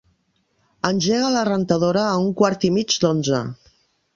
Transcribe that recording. Engega la rentadora a un quart i mig d'onze.